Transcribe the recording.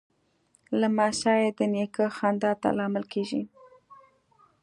لمسی د نیکه خندا ته لامل کېږي.